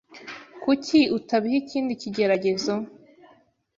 Kuki utabiha ikindi kigeragezo?